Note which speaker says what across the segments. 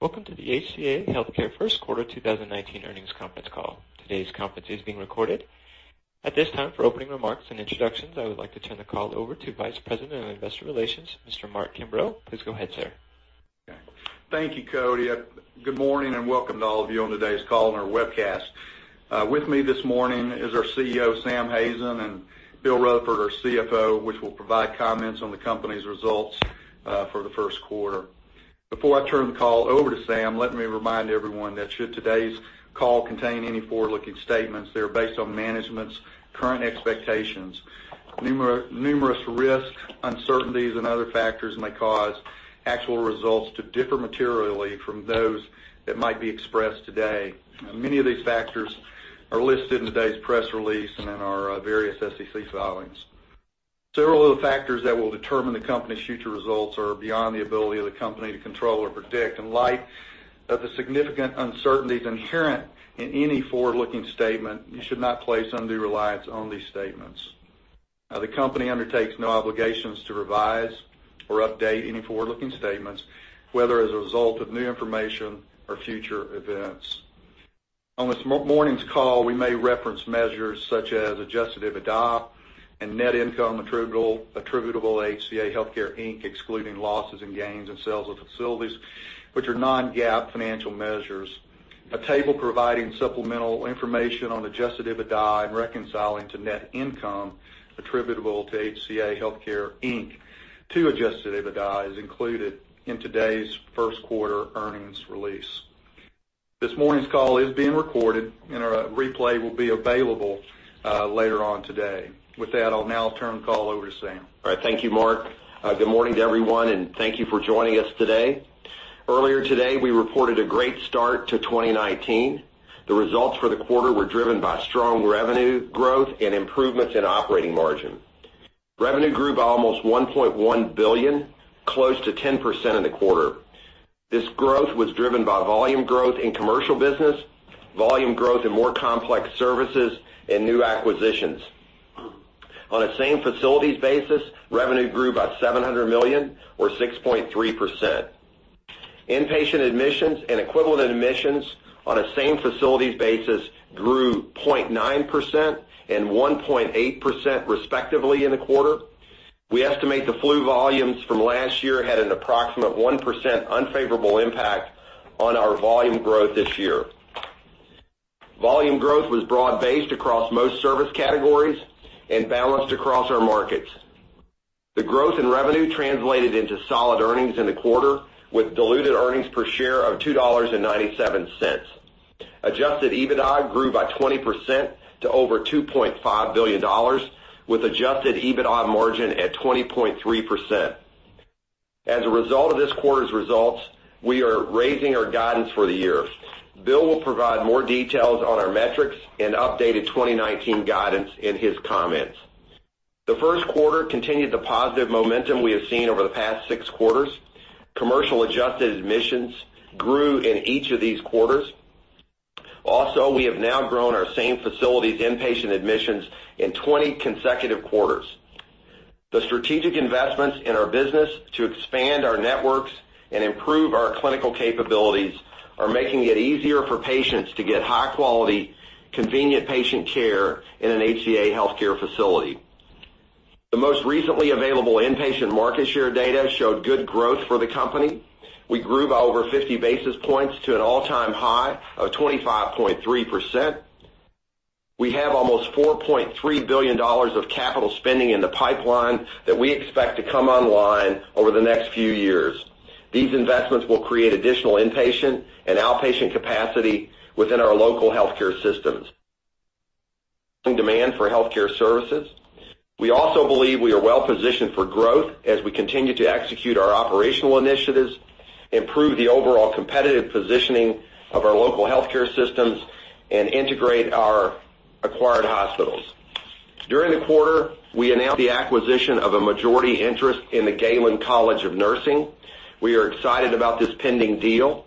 Speaker 1: Welcome to the HCA Healthcare first quarter 2019 earnings conference call. Today's conference is being recorded. At this time, for opening remarks and introductions, I would like to turn the call over to Vice President of Investor Relations, Mr. Mark Kimbrough. Please go ahead, sir.
Speaker 2: Okay. Thank you, Cody. Good morning and welcome to all of you on today's call and our webcast. With me this morning is our CEO, Sam Hazen, and Bill Rutherford, our CFO, which will provide comments on the company's results for the first quarter. Before I turn the call over to Sam, let me remind everyone that should today's call contain any forward-looking statements, they are based on management's current expectations. Numerous risks, uncertainties, and other factors may cause actual results to differ materially from those that might be expressed today. Many of these factors are listed in today's press release and in our various SEC filings. Several of the factors that will determine the company's future results are beyond the ability of the company to control or predict. In light of the significant uncertainties inherent in any forward-looking statement, you should not place undue reliance on these statements. The company undertakes no obligations to revise or update any forward-looking statements, whether as a result of new information or future events. On this morning's call, we may reference measures such as adjusted EBITDA and net income attributable to HCA Healthcare, Inc., excluding losses and gains and sales of facilities, which are non-GAAP financial measures. A table providing supplemental information on adjusted EBITDA and reconciling to net income attributable to HCA Healthcare, Inc., to adjusted EBITDA is included in today's first quarter earnings release. This morning's call is being recorded and a replay will be available later on today. With that, I'll now turn the call over to Sam.
Speaker 3: All right. Thank you, Mark. Good morning to everyone, and thank you for joining us today. Earlier today, we reported a great start to 2019. The results for the quarter were driven by strong revenue growth and improvements in operating margin. Revenue grew by almost $1.1 billion, close to 10% in the quarter. This growth was driven by volume growth in commercial business, volume growth in more complex services and new acquisitions. On a same facilities basis, revenue grew by $700 million or 6.3%. Inpatient admissions and equivalent admissions on a same facilities basis grew 0.9% and 1.8% respectively in the quarter. We estimate the flu volumes from last year had an approximate 1% unfavorable impact on our volume growth this year. Volume growth was broad-based across most service categories and balanced across our markets. The growth in revenue translated into solid earnings in the quarter with diluted earnings per share of $2.97. Adjusted EBITDA grew by 20% to over $2.5 billion with adjusted EBITDA margin at 20.3%. As a result of this quarter's results, we are raising our guidance for the year. Bill will provide more details on our metrics and updated 2019 guidance in his comments. The first quarter continued the positive momentum we have seen over the past six quarters. Commercial adjusted admissions grew in each of these quarters. Also, we have now grown our same facilities inpatient admissions in 20 consecutive quarters. The strategic investments in our business to expand our networks and improve our clinical capabilities are making it easier for patients to get high-quality, convenient patient care in an HCA Healthcare facility. The most recently available inpatient market share data showed good growth for the company. We grew by over 50 basis points to an all-time high of 25.3%. We have almost $4.3 billion of capital spending in the pipeline that we expect to come online over the next few years. These investments will create additional inpatient and outpatient capacity within our local healthcare systems. Demand for healthcare services. We also believe we are well positioned for growth as we continue to execute our operational initiatives, improve the overall competitive positioning of our local healthcare systems, and integrate our acquired hospitals. During the quarter, we announced the acquisition of a majority interest in the Galen College of Nursing. We are excited about this pending deal.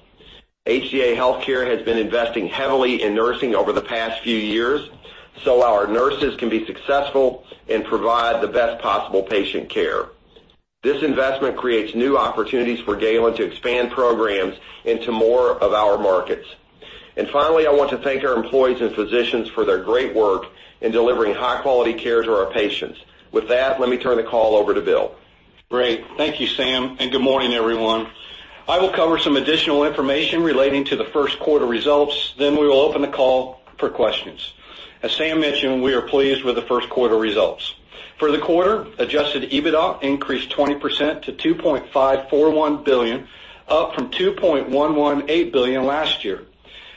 Speaker 3: HCA Healthcare has been investing heavily in nursing over the past few years so our nurses can be successful and provide the best possible patient care. This investment creates new opportunities for Galen to expand programs into more of our markets. Finally, I want to thank our employees and physicians for their great work in delivering high-quality care to our patients. With that, let me turn the call over to Bill.
Speaker 4: Great. Thank you, Sam, good morning, everyone. I will cover some additional information relating to the first quarter results. We will open the call for questions. As Sam mentioned, we are pleased with the first quarter results. For the quarter, Adjusted EBITDA increased 20% to $2.541 billion, up from $2.118 billion last year.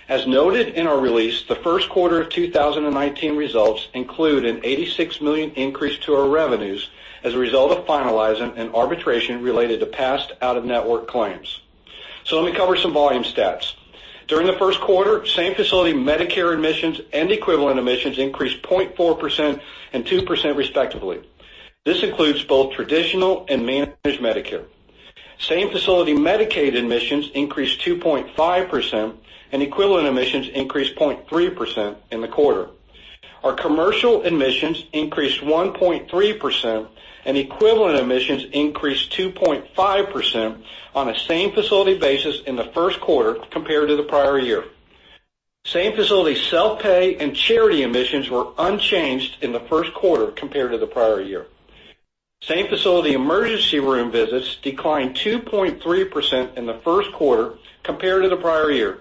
Speaker 4: As noted in our release, the first quarter of 2019 results include an $86 million increase to our revenues as a result of finalizing an arbitration related to past out-of-network claims. Let me cover some volume stats. During the first quarter, same-facility Medicare admissions and equivalent admissions increased 0.4% and 2% respectively. This includes both traditional and managed Medicare. Same-facility Medicaid admissions increased 2.5%, and equivalent admissions increased 0.3% in the quarter Our commercial admissions increased 1.3%, and equivalent admissions increased 2.5% on a same-facility basis in the first quarter compared to the prior year. Same-facility self-pay and charity admissions were unchanged in the first quarter compared to the prior year. Same-facility emergency room visits declined 2.3% in the first quarter compared to the prior year.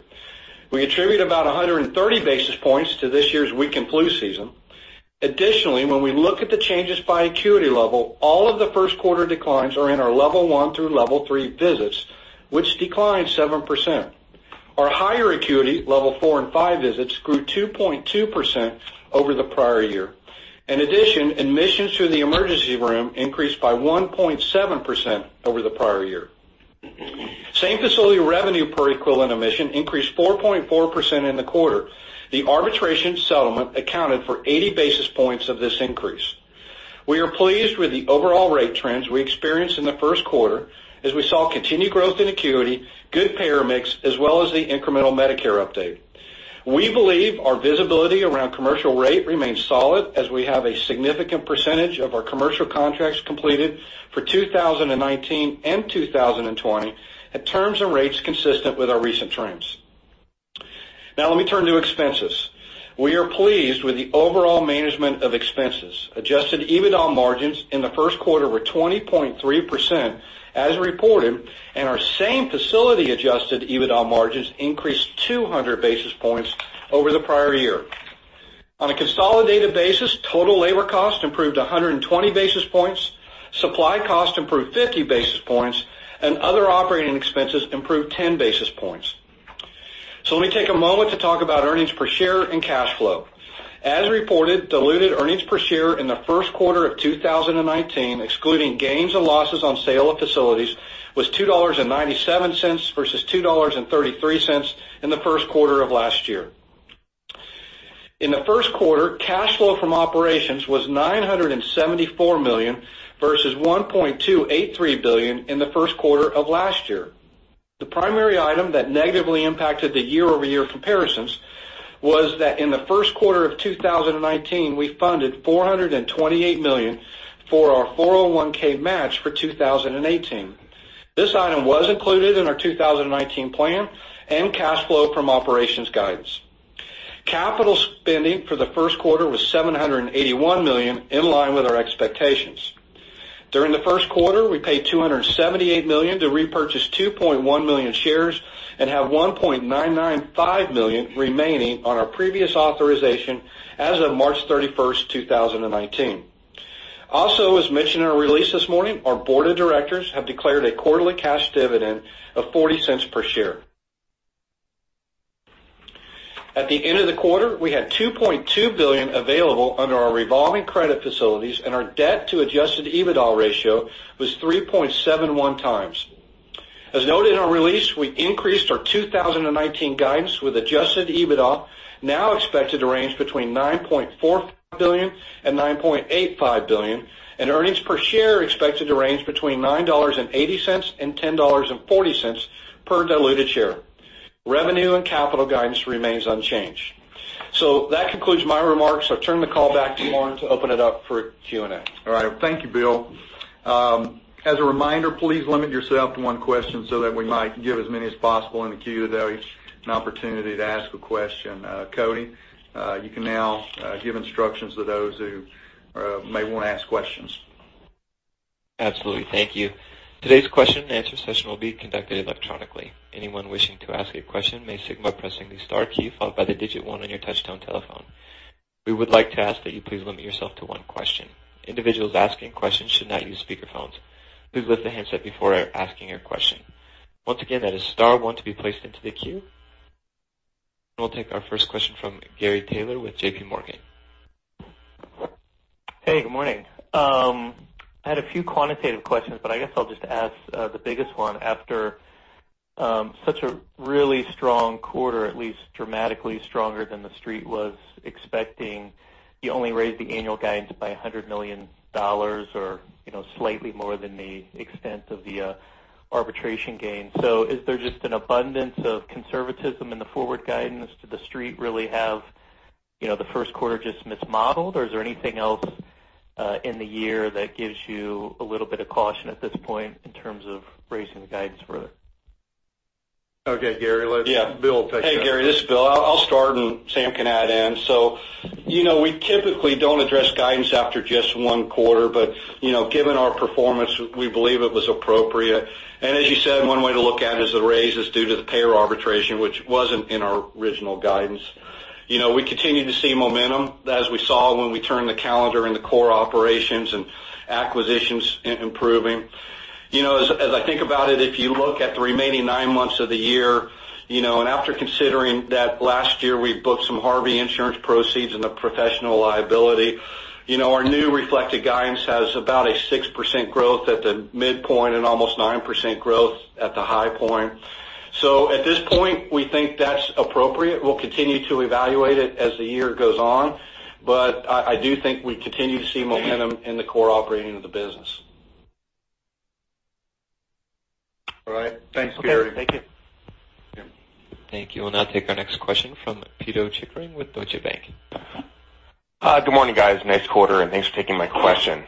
Speaker 4: We attribute about 130 basis points to this year's weakened flu season. Additionally, when we look at the changes by acuity level, all of the first quarter declines are in our level 1 through level 3 visits, which declined 7%. Our higher acuity level 4 and 5 visits grew 2.2% over the prior year. In addition, admissions through the emergency room increased by 1.7% over the prior year. Same-facility revenue per equivalent admission increased 4.4% in the quarter. The arbitration settlement accounted for 80 basis points of this increase. We are pleased with the overall rate trends we experienced in the first quarter as we saw continued growth in acuity, good payer mix, as well as the incremental Medicare update. We believe our visibility around commercial rate remains solid as we have a significant percentage of our commercial contracts completed for 2019 and 2020 at terms and rates consistent with our recent trends. Let me turn to expenses. We are pleased with the overall management of expenses. Adjusted EBITDA margins in the first quarter were 20.3% as reported, and our same-facility adjusted EBITDA margins increased 200 basis points over the prior year. On a consolidated basis, total labor cost improved 120 basis points, supply cost improved 50 basis points, and other operating expenses improved 10 basis points. Let me take a moment to talk about earnings per share and cash flow. As reported, diluted earnings per share in the first quarter of 2019, excluding gains and losses on sale of facilities, was $2.97 versus $2.33 in the first quarter of last year. In the first quarter, cash flow from operations was $974 million versus $1.283 billion in the first quarter of last year. The primary item that negatively impacted the year-over-year comparisons was that in the first quarter of 2019, we funded $428 million for our 401(k) match for 2018. This item was included in our 2019 plan and cash flow from operations guidance. Capital spending for the first quarter was $781 million, in line with our expectations. During the first quarter, we paid $278 million to repurchase 2.1 million shares and have 1.995 million remaining on our previous authorization as of March 31st, 2019. As mentioned in our release this morning, our board of directors have declared a quarterly cash dividend of $0.40 per share. At the end of the quarter, we had $2.2 billion available under our revolving credit facilities, and our debt to adjusted EBITDA ratio was 3.71 times. As noted in our release, we increased our 2019 guidance with adjusted EBITDA now expected to range between $9.4 billion-$9.85 billion, and earnings per share expected to range between $9.80-$10.40 per diluted share. Revenue and capital guidance remains unchanged. That concludes my remarks. I'll turn the call back to Lauren to open it up for Q&A.
Speaker 2: All right. Thank you, Bill. As a reminder, please limit yourself to one question so that we might give as many as possible in the queue that wish an opportunity to ask a question. Cody, you can now give instructions to those who may want to ask questions.
Speaker 1: Absolutely. Thank you. Today's question and answer session will be conducted electronically. Anyone wishing to ask a question may signal by pressing the star key followed by the digit one on your touch-tone telephone. We would like to ask that you please limit yourself to one question. Individuals asking questions should not use speakerphones. Please lift the handset before asking your question. Once again, that is star one to be placed into the queue. We'll take our first question from Gary Taylor with JPMorgan.
Speaker 5: Hey, good morning. I had a few quantitative questions, but I guess I'll just ask the biggest one. After such a really strong quarter, at least dramatically stronger than the Street was expecting, you only raised the annual guidance by $100 million or slightly more than the extent of the arbitration gain. Is there just an abundance of conservatism in the forward guidance? Did the Street really have the first quarter just mismodeled, or is there anything else in the year that gives you a little bit of caution at this point in terms of raising the guidance further?
Speaker 2: Okay, Gary, let Bill take that.
Speaker 4: Hey, Gary, this is Bill. I'll start and Sam can add in. We typically don't address guidance after just one quarter, but given our performance, we believe it was appropriate. As you said, one way to look at it is the raise is due to the payer arbitration, which wasn't in our original guidance. We continue to see momentum as we saw when we turned the calendar and the core operations and acquisitions improving. As I think about it, if you look at the remaining nine months of the year, and after considering that last year we booked some Harvey insurance proceeds and the professional liability, our new reflected guidance has about a 6% growth at the midpoint and almost 9% growth at the high point. At this point, we think that's appropriate. We'll continue to evaluate it as the year goes on, I do think we continue to see momentum in the core operating of the business. Thanks, Gary.
Speaker 3: Okay. Thank you.
Speaker 4: Yeah.
Speaker 1: Thank you. We'll now take our next question from Peter Chickering with Deutsche Bank.
Speaker 6: Hi. Good morning, guys. Nice quarter. Thanks for taking my question.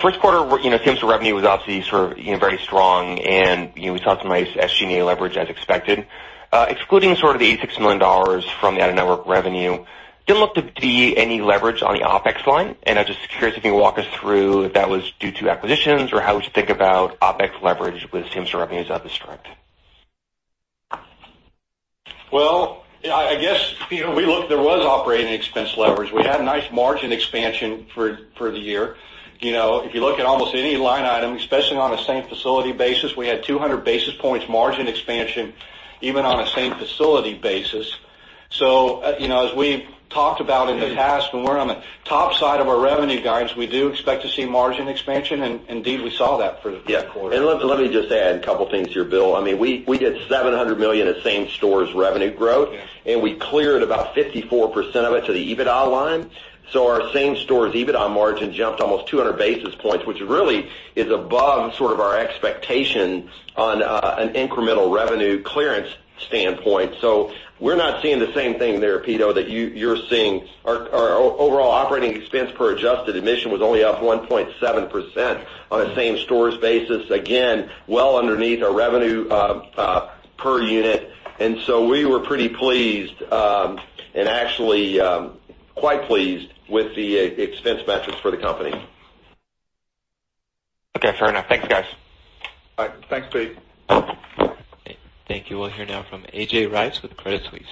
Speaker 6: First quarter, in terms of revenue, was obviously very strong, we saw some nice SG&A leverage as expected. Excluding the $86 million from the out-of-network revenue, didn't look to be any leverage on the OpEx line. I'm just curious if you can walk us through if that was due to acquisitions or how we should think about OpEx leverage with same revenues of this strength.
Speaker 4: Well, I guess, there was operating expense leverage. We had nice margin expansion for the year. If you look at almost any line item, especially on a same-facility basis, we had 200 basis points margin expansion even on a same-facility basis. As we've talked about in the past, when we're on the top side of our revenue guidance, we do expect to see margin expansion, indeed, we saw that for the quarter.
Speaker 3: Yeah. Let me just add a couple things here, Bill. We did $700 million of same stores revenue growth.
Speaker 4: Yeah.
Speaker 3: We cleared about 54% of it to the EBITDA line. Our same stores EBITDA margin jumped almost 200 basis points, which really is above our expectation on an incremental revenue clearance standpoint. We're not seeing the same thing there, Pito, that you're seeing. Our overall operating expense per adjusted admission was only up 1.7% on a same stores basis. Again, well underneath our revenue per unit. We were pretty pleased, and actually, quite pleased with the expense metrics for the company.
Speaker 6: Okay, fair enough. Thank you, guys.
Speaker 4: All right. Thanks, Pete.
Speaker 1: Thank you. We'll hear now from A.J. Rice with Credit Suisse.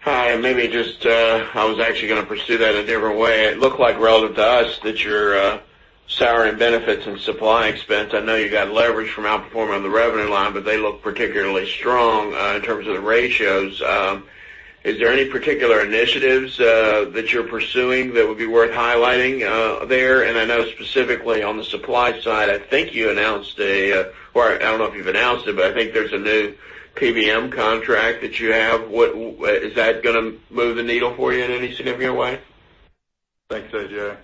Speaker 7: Hi. I was actually going to pursue that a different way. It looked like relative to us that your salary and benefits and supply expense, I know you got leverage from outperforming the revenue line, but they look particularly strong in terms of the ratios. Is there any particular initiatives that you're pursuing that would be worth highlighting there? I know specifically on the supply side, I think you announced, or I don't know if you've announced it, but I think there's a new PBM contract that you have. Is that going to move the needle for you in any significant way?
Speaker 4: Thanks, A.J.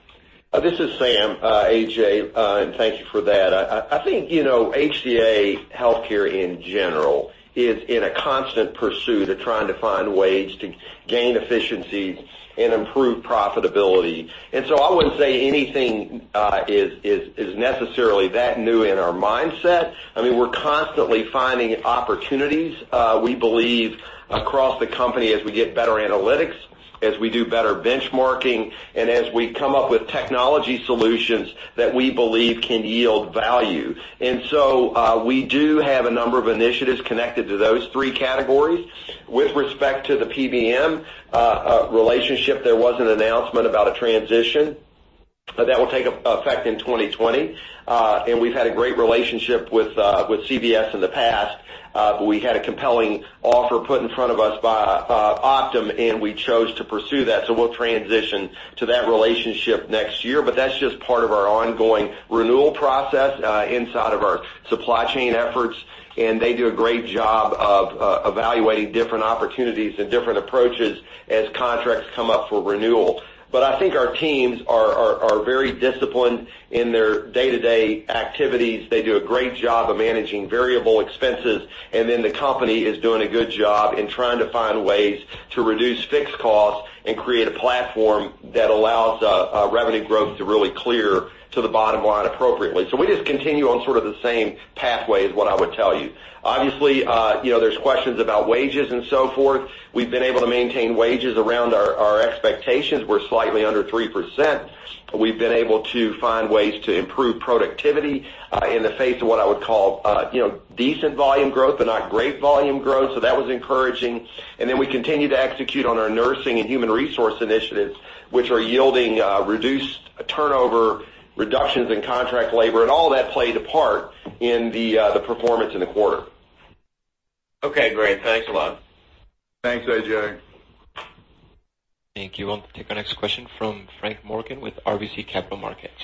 Speaker 3: This is Sam, A.J., thank you for that. I think HCA Healthcare, in general, is in a constant pursuit of trying to find ways to gain efficiencies and improve profitability. I wouldn't say anything is necessarily that new in our mindset. We're constantly finding opportunities, we believe, across the company as we get better analytics, as we do better benchmarking, and as we come up with technology solutions that we believe can yield value. We do have a number of initiatives connected to those three categories. With respect to the PBM relationship, there was an announcement about a transition. That will take effect in 2020. We've had a great relationship with CVS in the past, but we had a compelling offer put in front of us by Optum, and we chose to pursue that. We'll transition to that relationship next year. That's just part of our ongoing renewal process inside of our supply chain efforts, and they do a great job of evaluating different opportunities and different approaches as contracts come up for renewal. I think our teams are very disciplined in their day-to-day activities. They do a great job of managing variable expenses, and then the company is doing a good job in trying to find ways to reduce fixed costs and create a platform that allows revenue growth to really clear to the bottom line appropriately. We just continue on sort of the same pathway, is what I would tell you. Obviously, there's questions about wages and so forth. We've been able to maintain wages around our expectations. We're slightly under 3%. We've been able to find ways to improve productivity, in the face of what I would call decent volume growth, but not great volume growth. That was encouraging. We continue to execute on our nursing and human resource initiatives, which are yielding reduced turnover, reductions in contract labor, and all of that played a part in the performance in the quarter.
Speaker 7: Okay, great. Thanks a lot.
Speaker 4: Thanks, A.J.
Speaker 1: Thank you. We'll take our next question from Frank Morgan with RBC Capital Markets.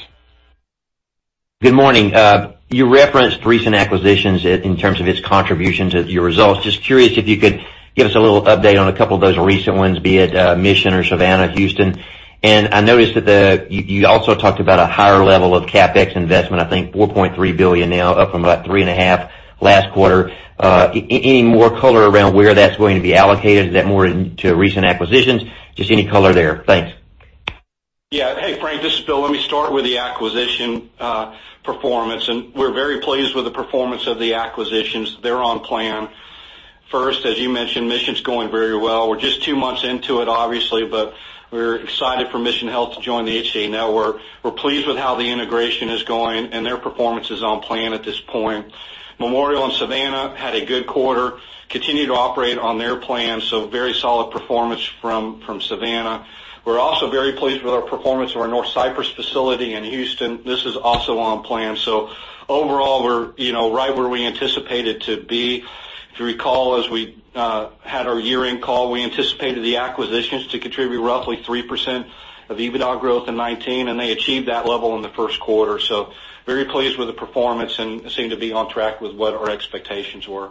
Speaker 8: Good morning. You referenced recent acquisitions in terms of its contributions with your results. Just curious if you could give us a little update on a couple of those recent ones, be it Mission or Savannah, Houston. I noticed that you also talked about a higher level of CapEx investment, I think $4.3 billion now, up from about three and a half last quarter. Any more color around where that's going to be allocated? Is that more into recent acquisitions? Just any color there. Thanks.
Speaker 4: Yeah. Hey, Frank, this is Bill. Let me start with the acquisition performance. We're very pleased with the performance of the acquisitions. They're on plan. First, as you mentioned, Mission's going very well. We're just 2 months into it, obviously, but we're excited for Mission Health to join the HCA network. We're pleased with how the integration is going. Their performance is on plan at this point. Memorial Health and Savannah had a good quarter, continue to operate on their plan. Very solid performance from Savannah. We're also very pleased with our performance of our North Cypress facility in Houston. This is also on plan. Overall, we're right where we anticipated to be. If you recall, as we had our year-end call, we anticipated the acquisitions to contribute roughly 3% of EBITDA growth in 2019. They achieved that level in the first quarter. Very pleased with the performance and seem to be on track with what our expectations were.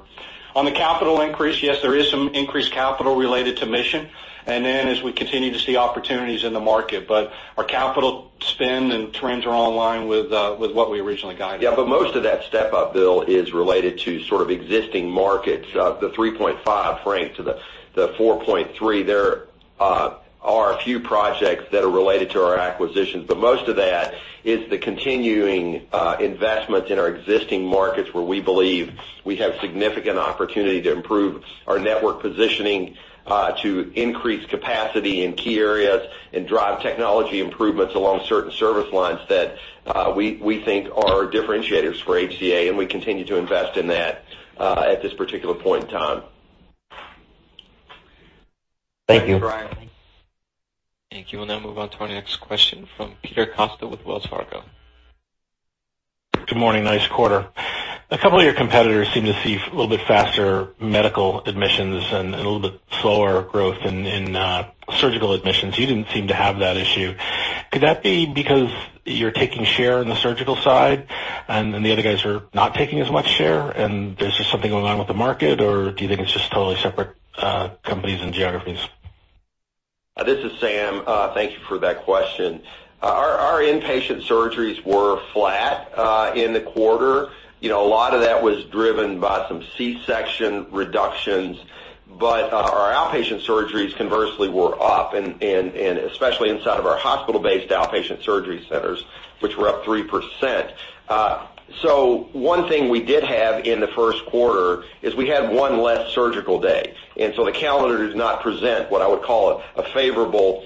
Speaker 4: On the capital increase, yes, there is some increased capital related to Mission. Then as we continue to see opportunities in the market. Our capital spend and trends are in line with what we originally guided.
Speaker 3: Most of that step-up, Bill, is related to existing markets. The 3.5, Frank, to the 4.3, there are a few projects that are related to our acquisitions. Most of that is the continuing investments in our existing markets where we believe we have significant opportunity to improve our network positioning to increase capacity in key areas and drive technology improvements along certain service lines that we think are differentiators for HCA. We continue to invest in that at this particular point in time.
Speaker 4: Thank you.
Speaker 1: Thank you. We'll now move on to our next question from Peter Costa with Wells Fargo.
Speaker 9: Good morning. Nice quarter. A couple of your competitors seem to see a little bit faster medical admissions and a little bit slower growth in surgical admissions. You didn't seem to have that issue. Could that be because you're taking share in the surgical side and the other guys are not taking as much share, and there's just something going on with the market, or do you think it's just totally separate companies and geographies?
Speaker 3: This is Sam. Thank you for that question. Our inpatient surgeries were flat in the quarter. A lot of that was driven by some C-section reductions. Our outpatient surgeries, conversely, were up, and especially inside of our hospital-based outpatient surgery centers, which were up 3%. One thing we did have in the first quarter is we had one less surgical day, the calendar does not present what I would call a favorable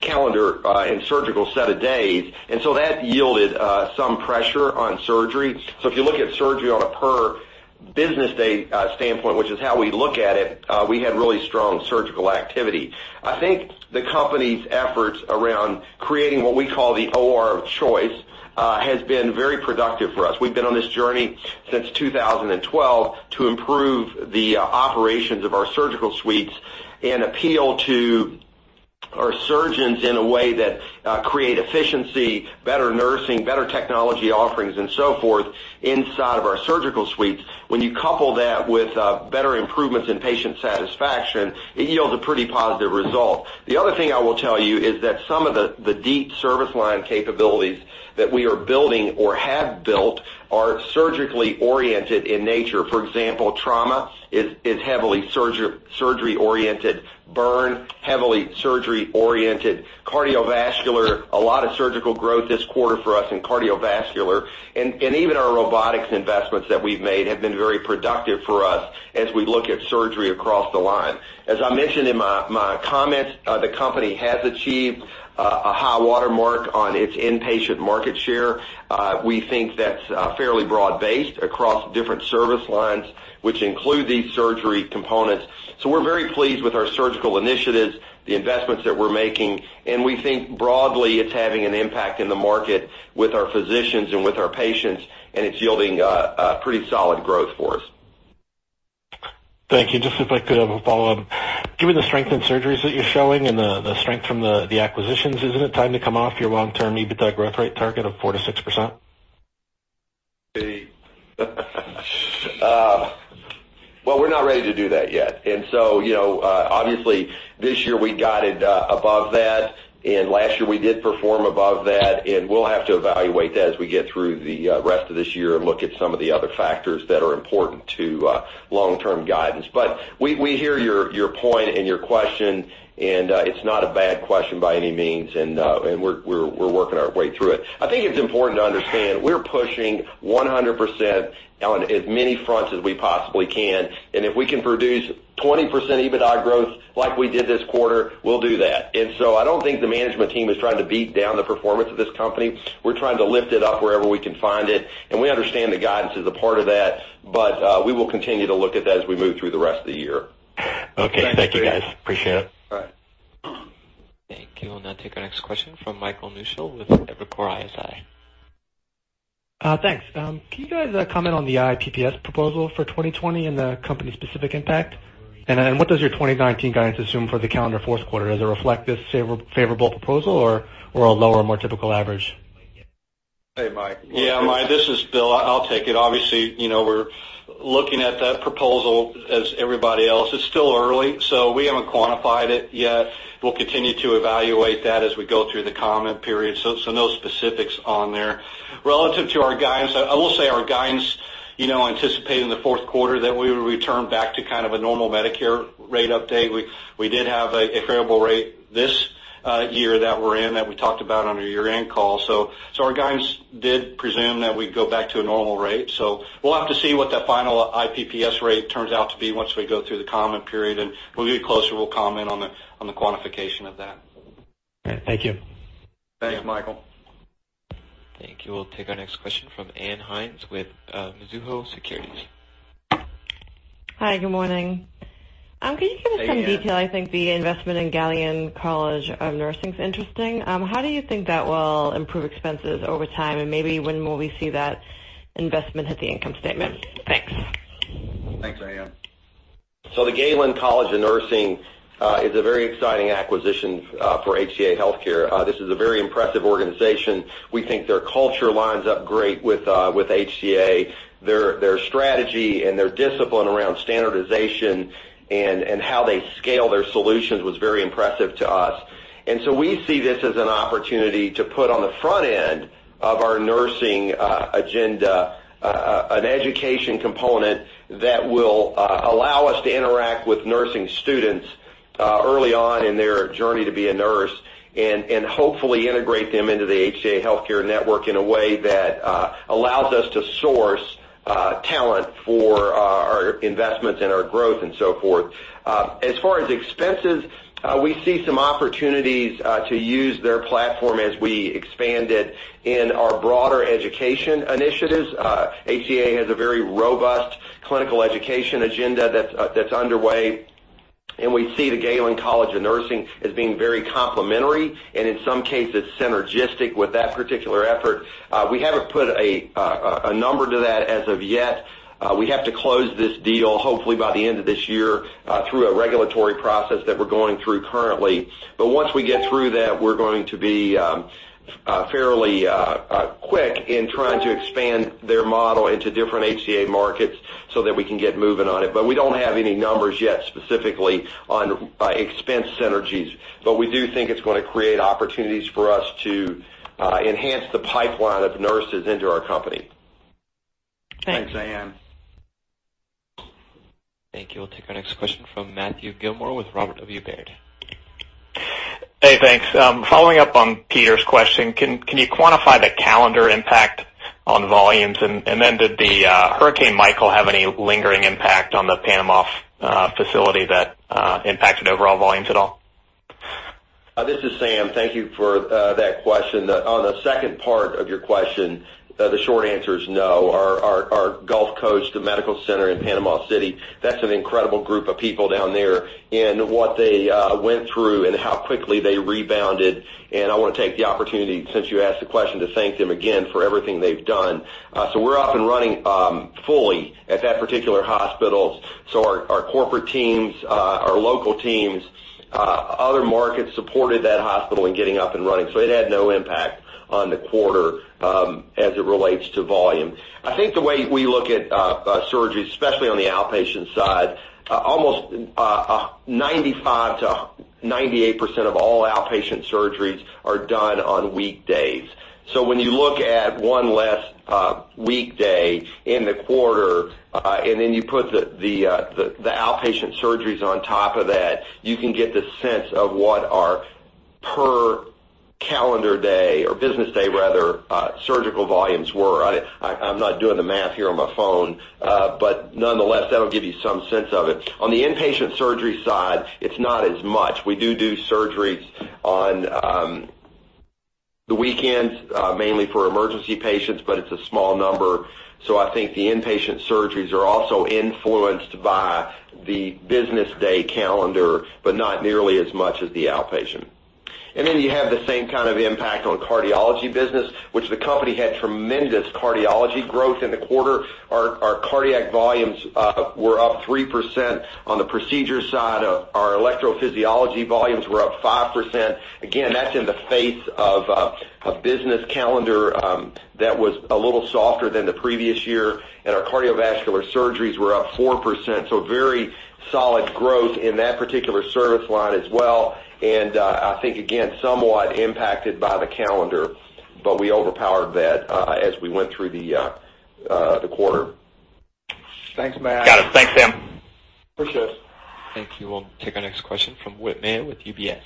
Speaker 3: calendar and surgical set of days. That yielded some pressure on surgery. If you look at surgery on a per business day standpoint, which is how we look at it, we had really strong surgical activity. I think the company's efforts around creating what we call the OR of Choice has been very productive for us. We've been on this journey since 2012 to improve the operations of our surgical suites and appeal to our surgeons in a way that create efficiency, better nursing, better technology offerings, and so forth inside of our surgical suites. When you couple that with better improvements in patient satisfaction, it yields a pretty positive result. The other thing I will tell is that some of the deep service line capabilities that we are building or have built are surgically oriented in nature. For example, trauma is heavily surgery-oriented. Burn, heavily surgery-oriented. Cardiovascular, a lot of surgical growth this quarter for us in cardiovascular. Even our robotics investments that we've made have been very productive for us as we look at surgery across the line. As I mentioned in my comments, the company has achieved a high watermark on its inpatient market share. We think that's fairly broad-based across different service lines, which include these surgery components. We're very pleased with our surgical initiatives, the investments that we're making, and we think broadly it's having an impact in the market with our physicians and with our patients, and it's yielding a pretty solid growth for us.
Speaker 9: Thank you. Just if I could have a follow-up. Given the strength in surgeries that you're showing and the strength from the acquisitions, isn't it time to come off your long-term EBITDA growth rate target of 4%-6%?
Speaker 3: We're not ready to do that yet. Obviously, this year we guided above that, and last year we did perform above that, and we'll have to evaluate that as we get through the rest of this year and look at some of the other factors that are important to long-term guidance. We hear your point and your question, and it's not a bad question by any means. We're working our way through it. I think it's important to understand we're pushing 100% on as many fronts as we possibly can, and if we can produce 20% EBITDA growth like we did this quarter, we'll do that. I don't think the management team is trying to beat down the performance of this company. We're trying to lift it up wherever we can find it, and we understand the guidance is a part of that, but we will continue to look at that as we move through the rest of the year.
Speaker 9: Okay. Thank you, guys. Appreciate it.
Speaker 3: All right.
Speaker 1: Thank you. We'll now take our next question from Michael Newshel with Evercore ISI.
Speaker 10: Thanks. Can you guys comment on the IPPS proposal for 2020 and the company-specific impact? What does your 2019 guidance assume for the calendar fourth quarter? Does it reflect this favorable proposal or a lower, more typical average?
Speaker 3: Hey, Michael.
Speaker 4: Yeah, Michael, this is Bill. I'll take it. Obviously, we're looking at that proposal as everybody else. It's still early, we haven't quantified it yet. We'll continue to evaluate that as we go through the comment period. No specifics on there. Relative to our guidance, I will say our guidance anticipating the fourth quarter that we would return back to kind of a normal Medicare rate update. We did have a credible rate this year that we're in, that we talked about on our year-end call. Our guidance did presume that we'd go back to a normal rate. We'll have to see what that final IPPS rate turns out to be once we go through the comment period, and when we get closer, we'll comment on the quantification of that.
Speaker 10: All right. Thank you.
Speaker 3: Thanks, Michael.
Speaker 1: Thank you. We'll take our next question from Ann Hynes with Mizuho Securities.
Speaker 11: Hi. Good morning.
Speaker 3: Hey, Ann.
Speaker 11: Can you give us some detail, I think the investment in Galen College of Nursing is interesting. How do you think that will improve expenses over time, and maybe when will we see that investment hit the income statement? Thanks.
Speaker 3: Thanks, Ann. The Galen College of Nursing is a very exciting acquisition for HCA Healthcare. This is a very impressive organization. We think their culture lines up great with HCA. Their strategy and their discipline around standardization and how they scale their solutions was very impressive to us. We see this as an opportunity to put on the front end of our nursing agenda an education component that will allow us to interact with nursing students early on in their journey to be a nurse, and hopefully integrate them into the HCA Healthcare network in a way that allows us to source talent for our investments and our growth and so forth. As far as expenses, we see some opportunities to use their platform as we expand it in our broader education initiatives. HCA has a very robust clinical education agenda that's underway, and we see the Galen College of Nursing as being very complementary and, in some cases, synergistic with that particular effort. We haven't put a number to that as of yet. We have to close this deal, hopefully by the end of this year, through a regulatory process that we're going through currently. Once we get through that, we're going to be fairly quick in trying to expand their model into different HCA markets so that we can get moving on it. We don't have any numbers yet, specifically on expense synergies. We do think it's going to create opportunities for us to enhance the pipeline of nurses into our company.
Speaker 2: Thanks. Thanks, Ann.
Speaker 1: Thank you. We'll take our next question from Matthew Gilmore with Robert W. Baird.
Speaker 12: Hey, thanks. Following up on Peter's question, can you quantify the calendar impact on volumes? Did the Hurricane Michael have any lingering impact on the Panama facility that impacted overall volumes at all?
Speaker 3: This is Sam. Thank you for that question. On the second part of your question, the short answer is no. Our Gulf Coast, the medical center in Panama City, that's an incredible group of people down there and what they went through and how quickly they rebounded, and I want to take the opportunity, since you asked the question, to thank them again for everything they've done. We're up and running fully at that particular hospital. Our corporate teams, our local teams, other markets supported that hospital in getting up and running. It had no impact on the quarter as it relates to volume. I think the way we look at surgeries, especially on the outpatient side, almost 95%-98% of all outpatient surgeries are done on weekdays. When you look at one less weekday in the quarter, you put the outpatient surgeries on top of that, you can get the sense of what our per calendar day or business day rather, surgical volumes were. I'm not doing the math here on my phone. That'll give you some sense of it. On the inpatient surgery side, it's not as much. We do surgeries on the weekends, mainly for emergency patients, but it's a small number. I think the inpatient surgeries are also influenced by the business day calendar, but not nearly as much as the outpatient. You have the same kind of impact on cardiology business, which the company had tremendous cardiology growth in the quarter. Our cardiac volumes were up 3% on the procedure side. Our electrophysiology volumes were up 5%. Again, that's in the face of a business calendar that was a little softer than the previous year, and our cardiovascular surgeries were up 4%. Very solid growth in that particular service line as well, and I think again, somewhat impacted by the calendar. We overpowered that as we went through the quarter.
Speaker 2: Thanks, Matt. Got it. Thanks, Sam.
Speaker 3: Appreciate it.
Speaker 1: Thank you. We'll take our next question from Whit Mayo with UBS.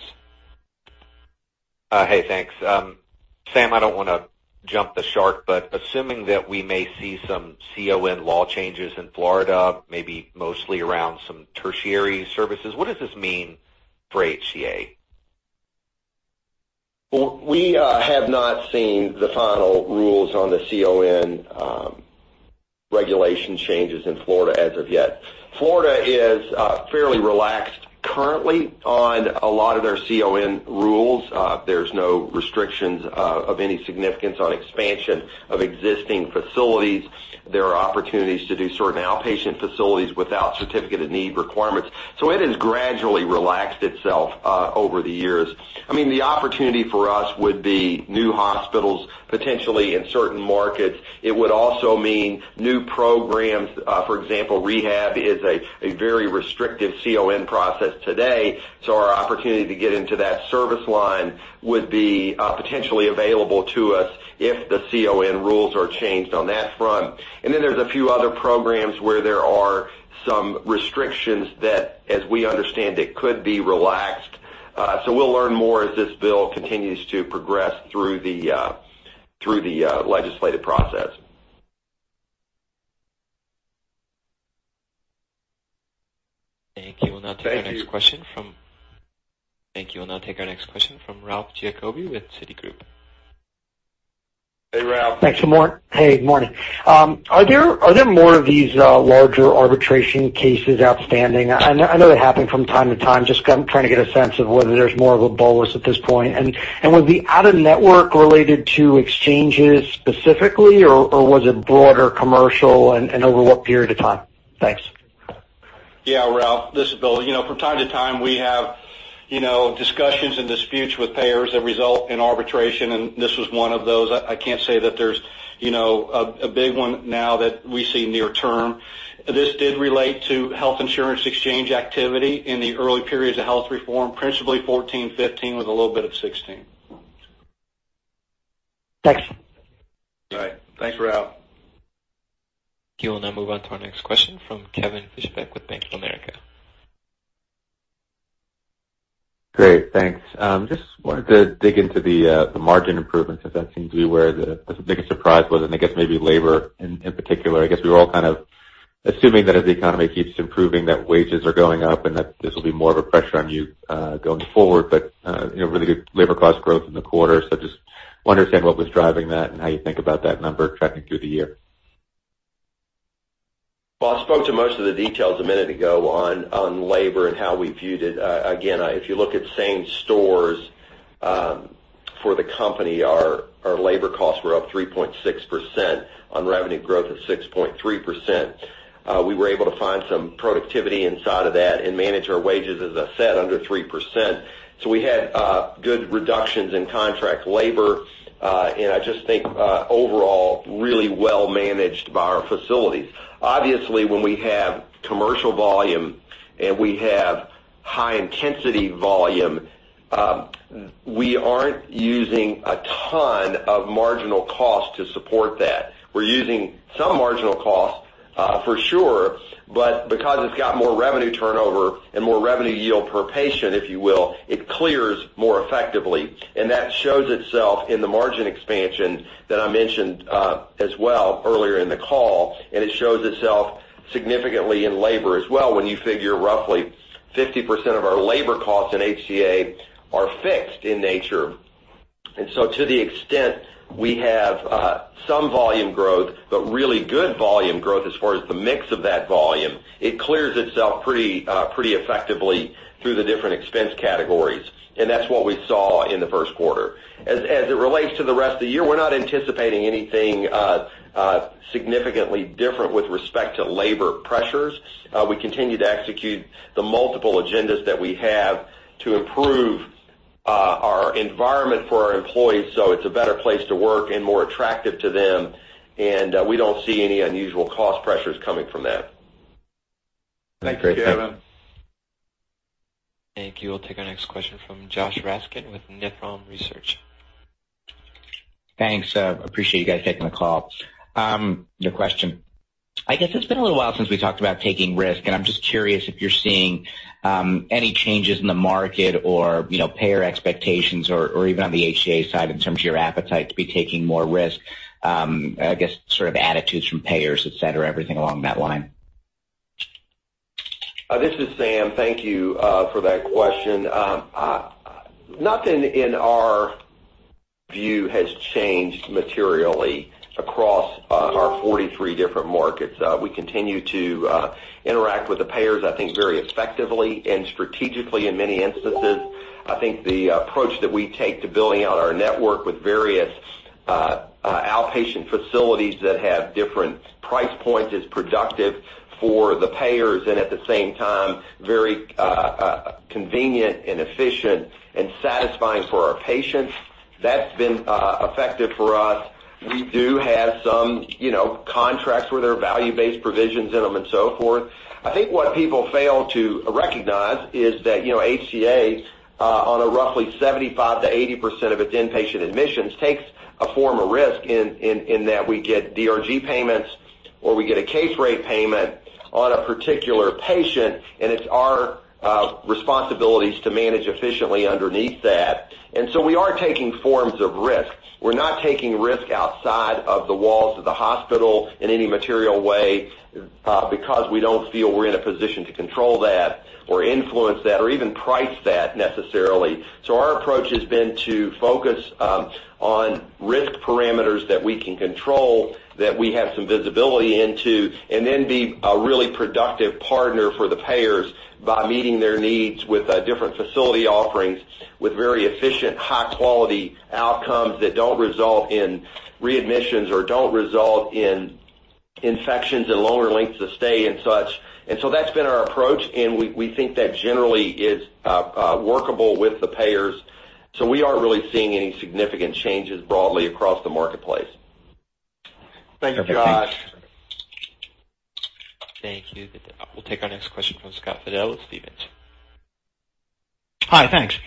Speaker 13: Hey, thanks. Sam, I don't want to jump the shark, but assuming that we may see some CON law changes in Florida, maybe mostly around some tertiary services, what does this mean for HCA?
Speaker 3: We have not seen the final rules on the CON regulation changes in Florida as of yet. Florida is fairly relaxed currently on a lot of their CON rules. There's no restrictions of any significance on expansion of existing facilities. There are opportunities to do certain outpatient facilities without certificate of need requirements. It has gradually relaxed itself over the years. The opportunity for us would be new hospitals, potentially in certain markets. It would also mean new programs. For example, rehab is a very restrictive CON process today, so our opportunity to get into that service line would be potentially available to us if the CON rules are changed on that front. There's a few other programs where there are some restrictions that, as we understand, it could be relaxed. We'll learn more as this bill continues to progress through the legislative process.
Speaker 1: Thank you. We'll now take our next question from-
Speaker 3: Thank you.
Speaker 1: Thank you. We'll now take our next question from Ralph Giacobbe with Citigroup.
Speaker 3: Hey, Ralph.
Speaker 14: Thanks, Sam. Hey, good morning. Are there more of these larger arbitration cases outstanding? I know they happen from time to time. Just trying to get a sense of whether there's more of a bolus at this point. Was the out-of-network related to exchanges specifically, or was it broader commercial and over what period of time? Thanks.
Speaker 4: Yeah, Ralph. This is Bill. From time to time, we have discussions and disputes with payers that result in arbitration. This was one of those. I can't say that there's a big one now that we see near term. This did relate to health insurance exchange activity in the early periods of health reform, principally 2014, 2015, with a little bit of 2016. Thanks.
Speaker 2: All right. Thanks, Ralph.
Speaker 1: We will now move on to our next question from Kevin Fischbeck with Bank of America.
Speaker 15: Great, thanks. Just wanted to dig into the margin improvements, as that seemed to be where the biggest surprise was, and I guess maybe labor in particular. I guess we were all assuming that as the economy keeps improving, that wages are going up, and that this will be more of a pressure on you going forward. Really good labor cost growth in the quarter. Just want to understand what was driving that and how you think about that number tracking through the year.
Speaker 3: Well, I spoke to most of the details a minute ago on labor and how we viewed it. Again, if you look at same stores for the company, our labor costs were up 3.6% on revenue growth of 6.3%. We were able to find some productivity inside of that and manage our wages, as I said, under 3%. We had good reductions in contract labor. I just think, overall, really well managed by our facilities. Obviously, when we have commercial volume and we have high-intensity volume, we aren't using a ton of marginal cost to support that. We're using some marginal cost, for sure, but because it's got more revenue turnover and more revenue yield per patient, if you will, it clears more effectively. That shows itself in the margin expansion that I mentioned as well earlier in the call, and it shows itself significantly in labor as well, when you figure roughly 50% of our labor costs in HCA are fixed in nature. To the extent we have some volume growth, but really good volume growth as far as the mix of that volume, it clears itself pretty effectively through the different expense categories, and that's what we saw in the first quarter. As it relates to the rest of the year, we're not anticipating anything significantly different with respect to labor pressures. We continue to execute the multiple agendas that we have to improve our environment for our employees so it's a better place to work and more attractive to them, and we don't see any unusual cost pressures coming from that.
Speaker 4: Thanks, Kevin.
Speaker 1: Thank you. We'll take our next question from Josh Raskin with Nephron Research.
Speaker 16: Thanks. Appreciate you guys taking the call. The question: I guess it's been a little while since we talked about taking risk, and I'm just curious if you're seeing any changes in the market or payer expectations or even on the HCA side in terms of your appetite to be taking more risk. I guess, attitudes from payers, et cetera, everything along that line.
Speaker 3: This is Sam. Thank you for that question. Nothing in our view has changed materially across our 43 different markets. We continue to interact with the payers, I think, very effectively and strategically in many instances. I think the approach that we take to building out our network with various outpatient facilities that have different price points is productive for the payers and, at the same time, very convenient and efficient and satisfying for our patients. That's been effective for us. We do have some contracts where there are value-based provisions in them and so forth. I think what people fail to recognize is that HCA, on a roughly 75%-80% of its inpatient admissions, takes a form of risk in that we get DRG payments or we get a case rate payment on a particular patient, and it's our responsibilities to manage efficiently underneath that. We are taking forms of risk. We're not taking risk outside of the walls of the hospital in any material way because we don't feel we're in a position to control that or influence that or even price that necessarily. Our approach has been to focus on risk parameters that we can control, that we have some visibility into, and then be a really productive partner for the payers by meeting their needs with different facility offerings with very efficient, high-quality outcomes that don't result in readmissions or don't result in infections and lower lengths of stay and such. That's been our approach, and we think that generally is workable with the payers. We aren't really seeing any significant changes broadly across the marketplace.
Speaker 4: Thank you, Josh.
Speaker 1: Thank you. We'll take our next question from Scott Fidel with Stephens.
Speaker 17: Hi, thanks.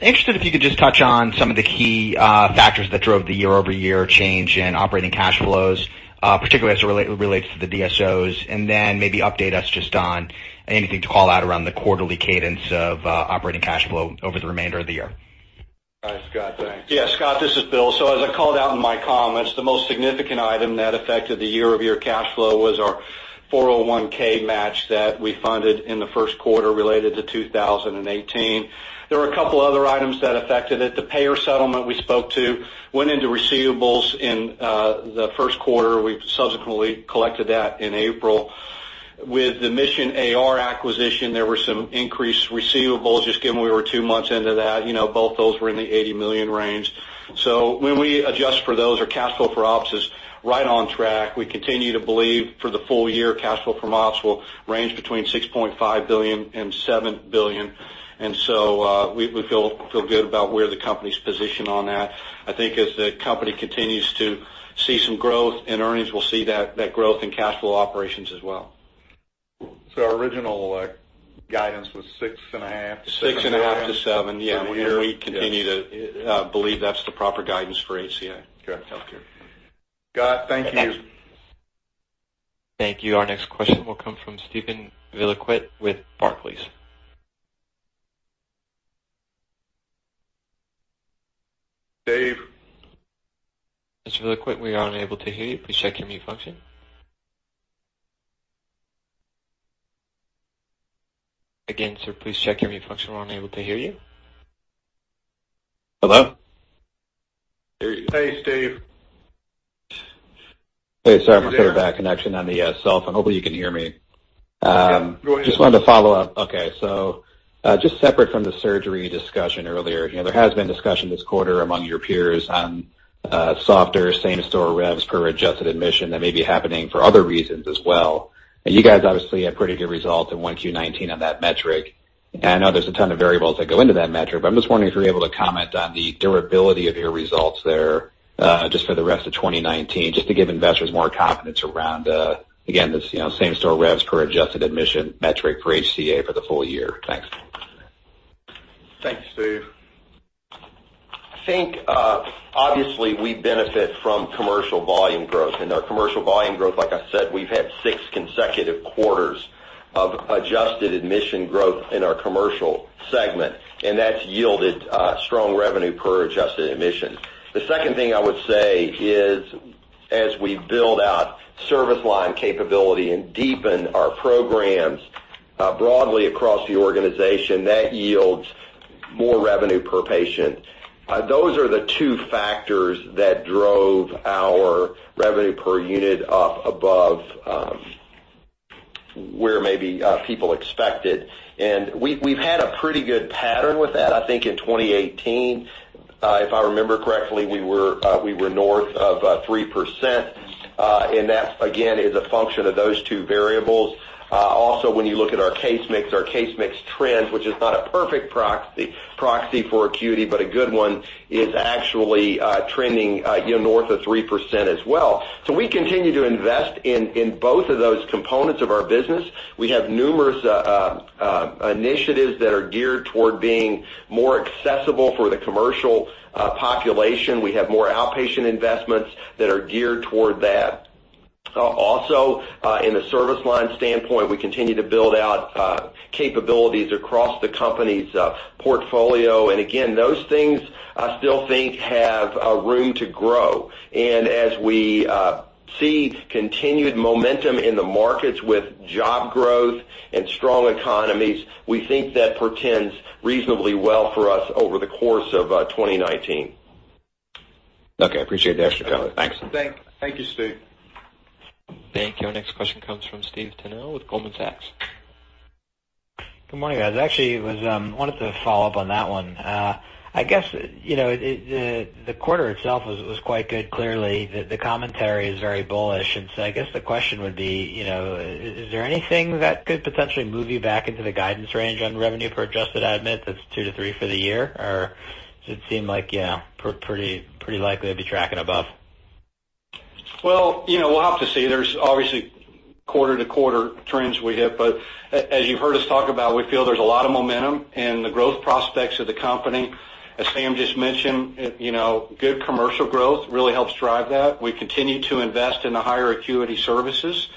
Speaker 17: Interested if you could just touch on some of the key factors that drove the year-over-year change in operating cash flows, particularly as it relates to the DSOs, and then maybe update us just on anything to call out around the quarterly cadence of operating cash flow over the remainder of the year.
Speaker 3: Hi, Scott. Thanks.
Speaker 4: As I called out in my comments, the most significant item that affected the year-over-year cash flow was our 401 match that we funded in the first quarter related to 2018. There were a couple other items that affected it. The payer settlement we spoke to went into receivables in the first quarter. We have subsequently collected that in April. With the Mission A/R acquisition, there were some increased receivables just given we were two months into that. Both those were in the $80 million range. When we adjust for those, our cash flow for ops is right on track. We continue to believe for the full year, cash flow from ops will range between $6.5 billion and $7 billion.
Speaker 3: We feel good about where the company's positioned on that. I think as the company continues to see some growth in earnings, we will see that growth in cash flow operations as well.
Speaker 2: Our original guidance was six and a half to seven?
Speaker 4: Six and a half to seven, yeah.
Speaker 2: Yeah. We continue to believe that's the proper guidance for HCA.
Speaker 4: Correct. Healthcare.
Speaker 2: Scott, thank you.
Speaker 3: Thanks.
Speaker 1: Thank you. Our next question will come from Steven Valiquette with Barclays.
Speaker 2: Steve.
Speaker 1: Mr. Valiquette, we are unable to hear you. Please check your mute function. Again, sir, please check your mute function. We're unable to hear you.
Speaker 18: Hello?
Speaker 2: There you go. Hey, Steve.
Speaker 18: Hey, sorry about that connection on the cell phone. Hopefully, you can hear me.
Speaker 2: Yeah. Go ahead.
Speaker 18: Just wanted to follow up. Just separate from the surgery discussion earlier. There has been discussion this quarter among your peers on softer same-store revs per adjusted admission that may be happening for other reasons as well. You guys obviously had pretty good results in 1Q 2019 on that metric. I know there's a ton of variables that go into that metric, but I'm just wondering if you're able to comment on the durability of your results there, just for the rest of 2019, just to give investors more confidence around, again, this same-store revs per adjusted admission metric for HCA for the full year. Thanks.
Speaker 2: Thanks, Steve.
Speaker 3: I think, obviously, we benefit from commercial volume growth. Our commercial volume growth, like I said, we've had six consecutive quarters of adjusted admission growth in our commercial segment, and that's yielded strong revenue per adjusted admission. The second thing I would say is, as we build out service line capability and deepen our programs broadly across the organization, that yields more revenue per patient. Those are the two factors that drove our revenue per unit up above where maybe people expected. We've had a pretty good pattern with that. I think in 2018, if I remember correctly, we were north of 3%, and that, again, is a function of those two variables. Also, when you look at our case mix trends, which is not a perfect proxy for acuity, but a good one, is actually trending north of 3% as well. We continue to invest in both of those components of our business. We have numerous initiatives that are geared toward being more accessible for the commercial population. We have more outpatient investments that are geared toward that. Also, in the service line standpoint, we continue to build out capabilities across the company's portfolio. Again, those things I still think have room to grow. As we see continued momentum in the markets with job growth and strong economies, we think that portends reasonably well for us over the course of 2019.
Speaker 18: Okay. I appreciate the extra color. Thanks.
Speaker 2: Thank you, Steve.
Speaker 1: Thank you. Our next question comes from Stephen Tanal with Goldman Sachs.
Speaker 19: Good morning, guys. Actually, I wanted to follow up on that one. I guess, the quarter itself was quite good. Clearly, the commentary is very bullish. I guess the question would be, is there anything that could potentially move you back into the guidance range on revenue per adjusted admit, that's two to three for the year? Does it seem like, yeah, pretty likely to be tracking above?
Speaker 4: We'll have to see. There's obviously quarter-to-quarter trends we hit. As you've heard us talk about, we feel there's a lot of momentum in the growth prospects of the company. As Sam just mentioned, good commercial growth really helps drive that. We continue to invest in the higher acuity services.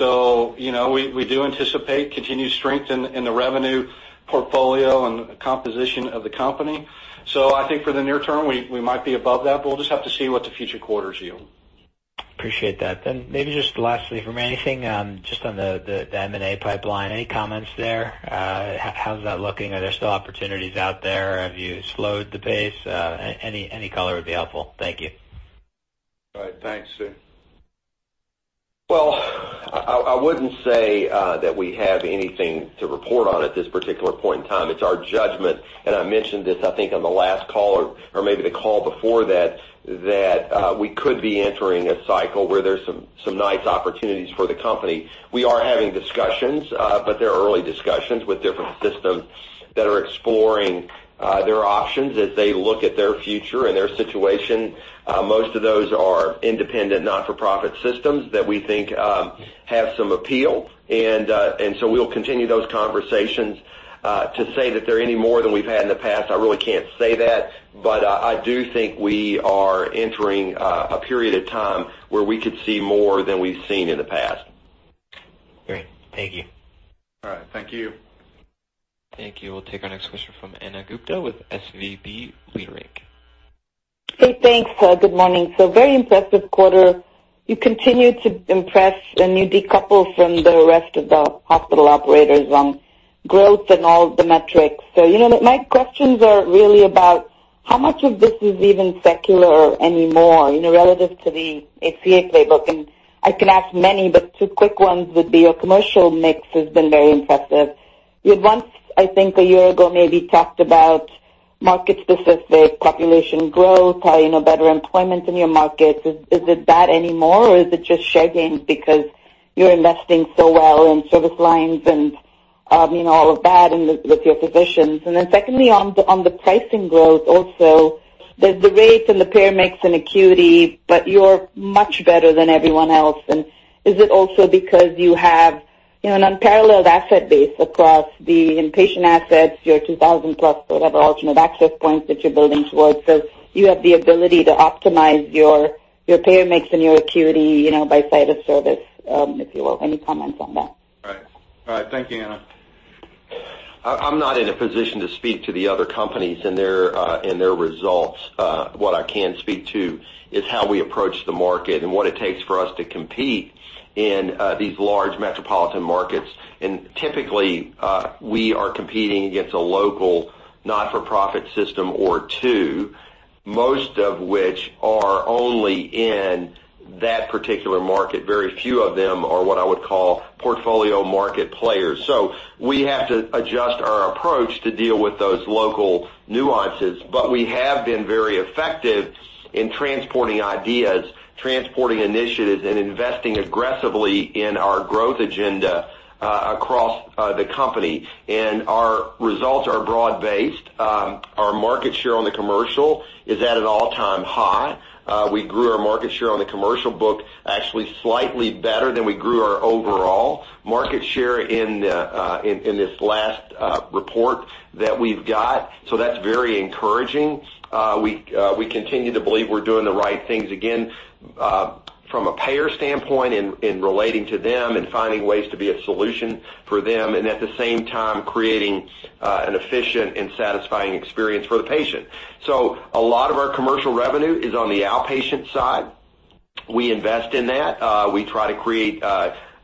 Speaker 4: We do anticipate continued strength in the revenue portfolio and composition of the company. I think for the near term, we might be above that, but we'll just have to see what the future quarters yield.
Speaker 19: Appreciate that. Maybe just lastly from me, anything just on the M&A pipeline, any comments there? How's that looking? Are there still opportunities out there? Have you slowed the pace? Any color would be helpful. Thank you.
Speaker 2: All right. Thanks, Steve.
Speaker 3: I wouldn't say that we have anything to report on at this particular point in time. It's our judgment, and I mentioned this, I think, on the last call or maybe the call before that we could be entering a cycle where there's some nice opportunities for the company. We are having discussions, but they're early discussions with different systems that are exploring their options as they look at their future and their situation. Most of those are independent, not-for-profit systems that we think have some appeal. We'll continue those conversations. To say that they're any more than we've had in the past, I really can't say that. I do think we are entering a period of time where we could see more than we've seen in the past.
Speaker 19: Great. Thank you.
Speaker 2: All right. Thank you.
Speaker 1: Thank you. We'll take our next question from Ana Gupte with SVB Leerink.
Speaker 20: Hey, thanks. Good morning. Very impressive quarter. You continue to impress, and you decouple from the rest of the hospital operators on growth and all of the metrics. My questions are really about how much of this is even secular anymore, relative to the HCA playbook, and I could ask many, but two quick ones would be your commercial mix has been very impressive. You had once, I think, a year ago, maybe talked about market specific population growth, how better employment in your markets. Is it that anymore, or is it just share gains because You're investing so well in service lines and all of that with your physicians. Secondly, on the pricing growth also, the rates and the payer mix and acuity, but you're much better than everyone else. Is it also because you have an unparalleled asset base across the inpatient assets, your 2,000+ whatever alternate access points that you're building towards? You have the ability to optimize your payer mix and your acuity, by site of service, if you will. Any comments on that?
Speaker 2: Right. Thank you, Ana.
Speaker 3: I'm not in a position to speak to the other companies and their results. What I can speak to is how we approach the market and what it takes for us to compete in these large metropolitan markets. Typically, we are competing against a local not-for-profit system or two, most of which are only in that particular market. Very few of them are what I would call portfolio market players. We have to adjust our approach to deal with those local nuances. We have been very effective in transporting ideas, transporting initiatives, and investing aggressively in our growth agenda across the company. Our results are broad-based. Our market share on the commercial is at an all-time high. We grew our market share on the commercial book actually slightly better than we grew our overall market share in this last report that we've got. That's very encouraging. We continue to believe we're doing the right things, again, from a payer standpoint in relating to them and finding ways to be a solution for them, and at the same time creating an efficient and satisfying experience for the patient. A lot of our commercial revenue is on the outpatient side. We invest in that. We try to create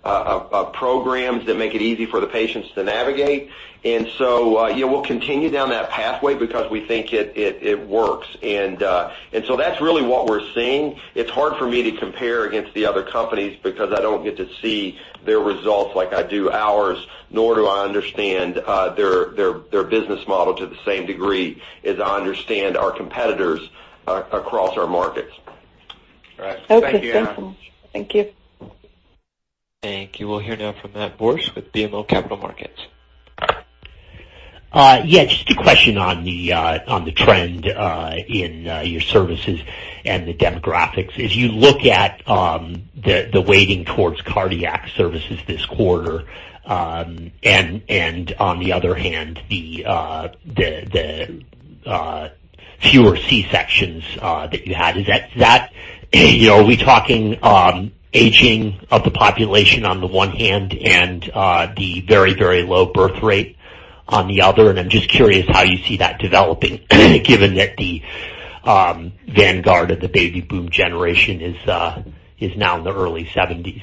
Speaker 3: programs that make it easy for the patients to navigate. We'll continue down that pathway because we think it works. That's really what we're seeing. It's hard for me to compare against the other companies because I don't get to see their results like I do ours, nor do I understand their business model to the same degree as I understand our competitors across our markets.
Speaker 2: Right. Thank you, Ana.
Speaker 20: Okay. Thanks so much. Thank you.
Speaker 1: Thank you. We'll hear now from Matt Borsch with BMO Capital Markets.
Speaker 21: Yeah, just a question on the trend in your services and the demographics. As you look at the weighting towards cardiac services this quarter, and on the other hand, the fewer C-sections that you had, are we talking aging of the population on the one hand and the very low birth rate on the other? I'm just curious how you see that developing, given that the vanguard of the baby boom generation is now in the early 70s.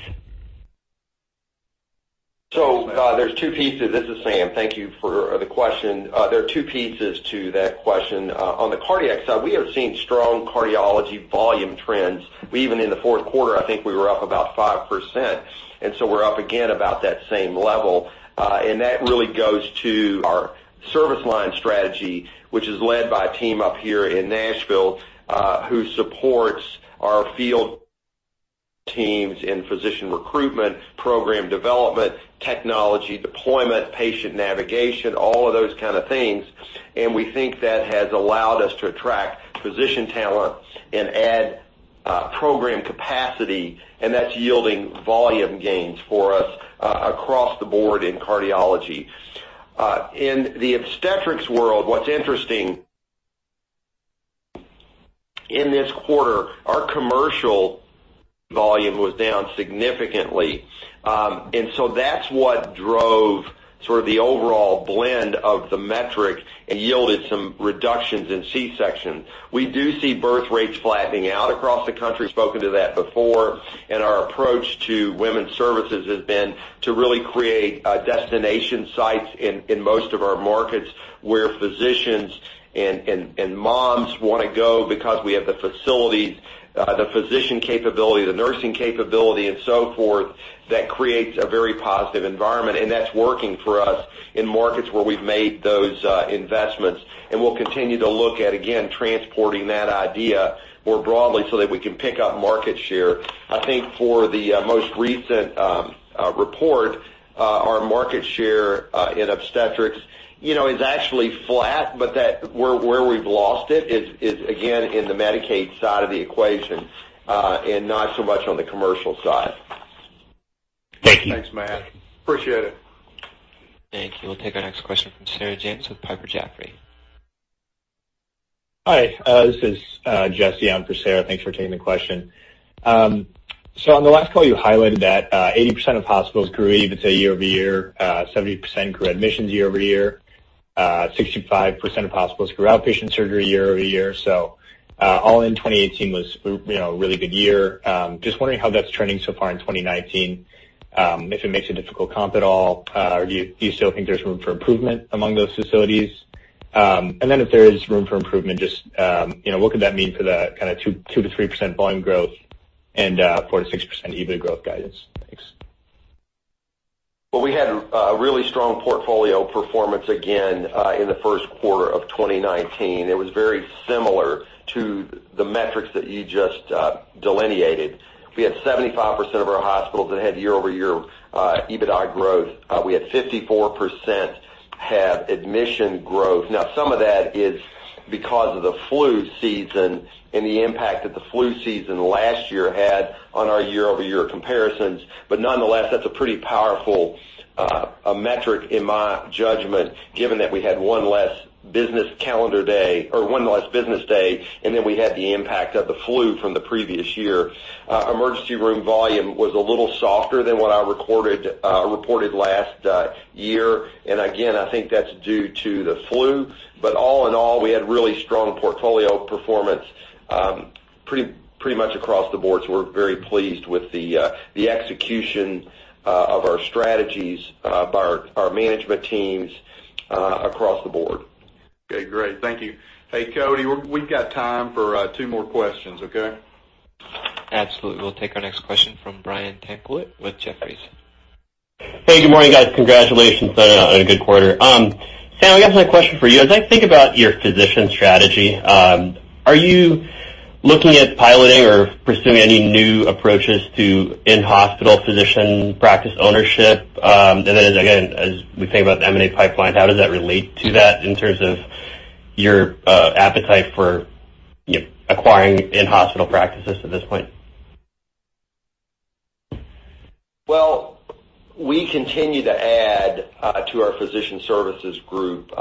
Speaker 3: There's two pieces. This is Sam. Thank you for the question. There are two pieces to that question. On the cardiac side, we have seen strong cardiology volume trends. Even in the fourth quarter, I think we were up about 5%. We're up again about that same level. That really goes to our service line strategy, which is led by a team up here in Nashville, who supports our field teams in physician recruitment, program development, technology deployment, patient navigation, all of those kind of things, and we think that has allowed us to attract physician talent and add program capacity, and that's yielding volume gains for us across the board in cardiology. In the obstetrics world, what's interesting, in this quarter, our commercial volume was down significantly. That's what drove the overall blend of the metric and yielded some reductions in C-section. We do see birth rates flattening out across the country. Spoken to that before. Our approach to women's services has been to really create destination sites in most of our markets where physicians and moms want to go because we have the facilities, the physician capability, the nursing capability, and so forth that creates a very positive environment, and that's working for us in markets where we've made those investments. We'll continue to look at, again, transporting that idea more broadly so that we can pick up market share. I think for the most recent report, our market share in obstetrics is actually flat, but where we've lost it is, again, in the Medicaid side of the equation, and not so much on the commercial side.
Speaker 21: Thank you.
Speaker 2: Thanks, Matt. Appreciate it.
Speaker 1: Thank you. We'll take our next question from Sarah James with Piper Jaffray.
Speaker 22: Hi, this is Jesse on for Sarah. Thanks for taking the question. On the last call, you highlighted that 80% of hospitals grew EBITDA year-over-year, 70% grew admissions year-over-year, 65% of hospitals grew outpatient surgery year-over-year. All in 2018 was a really good year. Just wondering how that's trending so far in 2019. If it makes a difficult comp at all, or do you still think there's room for improvement among those facilities? And then if there is room for improvement, just what could that mean for that 2%-3% volume growth and 4%-6% EBIT growth guidance? Thanks.
Speaker 3: We had a really strong portfolio performance again in the first quarter of 2019. It was very similar to the metrics that you just delineated. We had 75% of our hospitals that had year-over-year EBITDA growth. We had 54% have admission growth. Some of that is because of the flu season and the impact that the flu season last year had on our year-over-year comparisons. Nonetheless, that's a pretty powerful metric, in my judgment, given that we had one less business calendar day or one less business day, then we had the impact of the flu from the previous year. Emergency room volume was a little softer than what I reported last year. Again, I think that's due to the flu. All in all, we had really strong portfolio performance pretty much across the board. We're very pleased with the execution of our strategies by our management teams across the board.
Speaker 2: Okay, great. Thank you. Hey, Cody, we've got time for two more questions, okay?
Speaker 1: Absolutely. We'll take our next question from Brian Tanquilut with Jefferies.
Speaker 23: Hey, good morning, guys. Congratulations on a good quarter. Sam, I guess my question for you, as I think about your physician strategy, are you looking at piloting or pursuing any new approaches to in-hospital physician practice ownership? Then again, as we think about the M&A pipeline, how does that relate to that in terms of your appetite for acquiring in-hospital practices at this point?
Speaker 3: Well, we continue to add to our physician services group,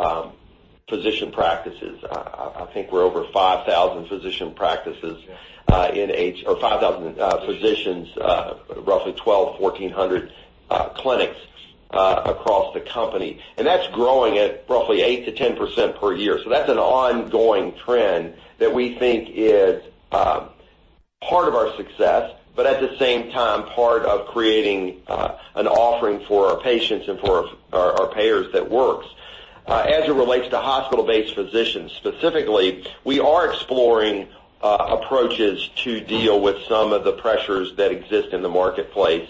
Speaker 3: physician practices. I think we're over 5,000 physician practices or 5,000 physicians, roughly 1,200 to 1,400 clinics across the company, and that's growing at roughly 8%-10% per year. That's an ongoing trend that we think is part of our success, but at the same time, part of creating an offering for our patients and for our payers that works. As it relates to hospital-based physicians specifically, we are exploring approaches to deal with some of the pressures that exist in the marketplace.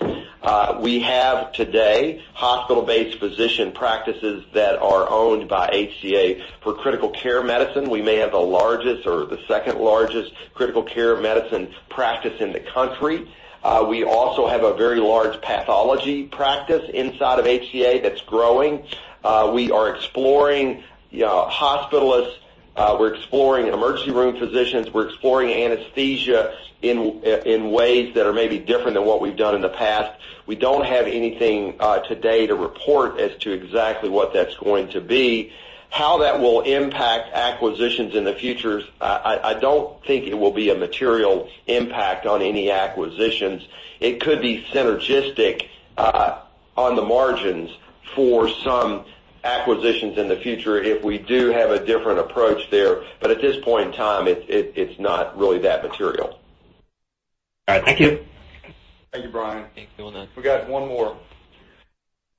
Speaker 3: We have, today, hospital-based physician practices that are owned by HCA for critical care medicine. We may have the largest or the second-largest critical care medicine practice in the country. We also have a very large pathology practice inside of HCA that's growing. We are exploring hospitalists, we're exploring emergency room physicians, we're exploring anesthesia in ways that are maybe different than what we've done in the past. We don't have anything today to report as to exactly what that's going to be, how that will impact acquisitions in the future. I don't think it will be a material impact on any acquisitions. It could be synergistic on the margins for some acquisitions in the future if we do have a different approach there. At this point in time, it's not really that material.
Speaker 23: All right. Thank you.
Speaker 2: Thank you, Brian.
Speaker 1: Thank you. Well done.
Speaker 2: We got one more.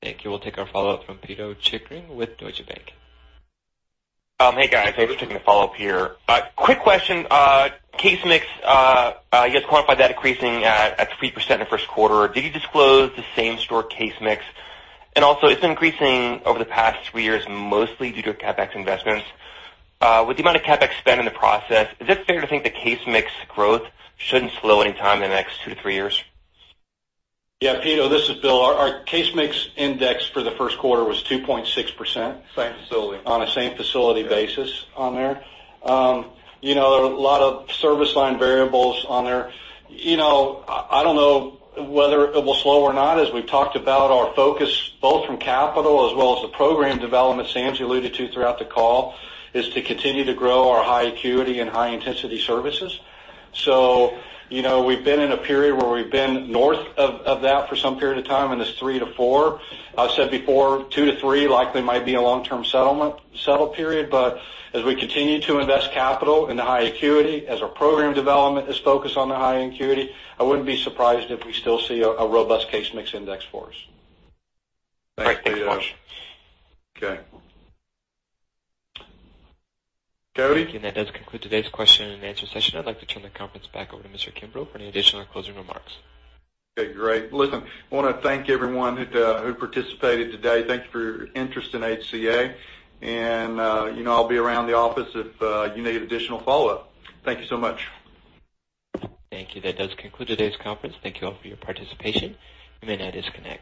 Speaker 1: Thank you. We'll take our follow-up from Pito Chickering with Deutsche Bank.
Speaker 6: Hey, guys. Thanks for taking the follow-up here. Quick question. case mix, you guys quantified that increasing at 3% in the first quarter. Did you disclose the same-store case mix? Also, it's increasing over the past three years, mostly due to CapEx investments. With the amount of CapEx spend in the process, is it fair to think the case mix growth shouldn't slow any time in the next two to three years?
Speaker 4: Yeah, Peter, this is Bill. Our case mix index for the first quarter was 2.6%-
Speaker 2: Same facility
Speaker 4: on a same-facility basis on there. There are a lot of service line variables on there. I don't know whether it will slow or not. As we've talked about our focus, both from capital as well as the program development Sam's alluded to throughout the call, is to continue to grow our high acuity and high-intensity services. We've been in a period where we've been north of that for some period of time, and it's three to four. I've said before, two to three likely might be a long-term settle period. As we continue to invest capital in the high acuity, as our program development is focused on the high acuity, I wouldn't be surprised if we still see a robust case mix index for us.
Speaker 6: Great. Thanks so much.
Speaker 2: Okay. Cody?
Speaker 1: Thank you. That does conclude today's question and answer session. I'd like to turn the conference back over to Mr. Kimbrough for any additional closing remarks.
Speaker 2: Okay, great. Listen, I want to thank everyone who participated today. Thank you for your interest in HCA. I'll be around the office if you need additional follow-up. Thank you so much.
Speaker 1: Thank you. That does conclude today's conference. Thank you all for your participation. You may now disconnect.